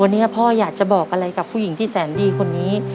วันนี้พ่ออยากจะบอกอะไรกับผู้หญิงที่แสนดีคนนี้